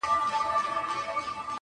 خو دايوه پوښتنه دا کوم چي ولي ريشا .